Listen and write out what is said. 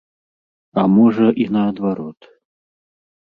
А можа, і наадварот.